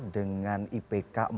dengan ipk empat